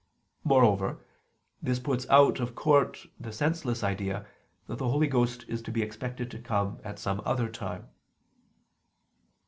Moreover, this puts out of court the senseless idea that the Holy Ghost is to be expected to come at some other time.